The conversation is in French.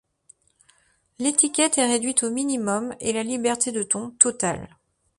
L'étiquette est réduite au minimum, et la liberté de ton totale.